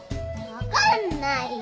分かんないよ。